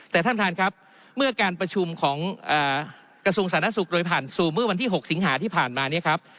แต่ท่านท่านครับเมื่อการประชุมของกระทรวงสาธารณสุขโดยผ่านสู่เมื่อวันที่๖สิงหาที่ผ่านมาเนี่ยครับ